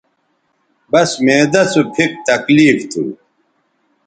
بس معدہ سو پھک تکلیف تھو